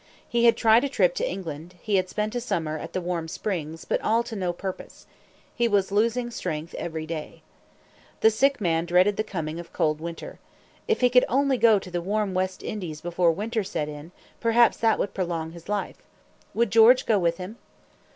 He had tried a trip to England; he had spent a summer at the warm springs; but all to no purpose. He was losing strength every day. The sick man dreaded the coming of cold weather. If he could only go to the warm West Indies before winter set in, perhaps that would prolong his life. Would George go with him?